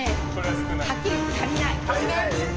はっきり言って、足りない。